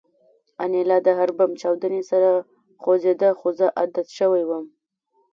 انیلا د هر بم چاودنې سره خوځېده خو زه عادت شوی وم